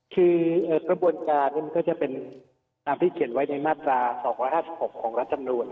คือระบวนการนี้ก็จะเป็นตามที่เขียนไว้ในหน้าตรา๒๕๖ของรัฐสำนวน